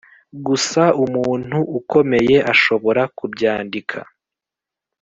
gusa umuntu ukomeye ashobora kubyandika